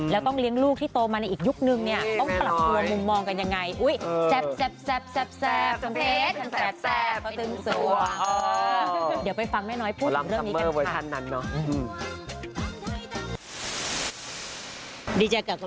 แล้วก็ต้องเลี้ยงลูกที่โตมาในอีกยุคนึงเนี่ย